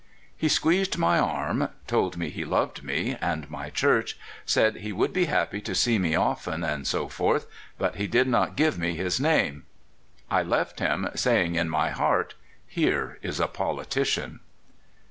He squeezed my arm, told me he loved me and my Church, said he would be happy to see me often, and so forth — but he did not give me his name. I left him, saying in my heart: *' Here is a politician."